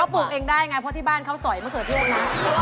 ปลูกเองได้ไงเพราะที่บ้านเขาสอยมะเขือเทศนะ